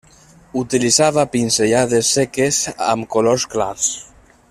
Utilitzava pinzellades seques amb colors clars.